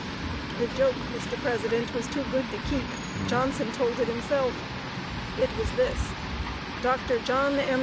"The joke, Mr. President, was too good to keep. Johnson told it himself." It was this: Dr. John M.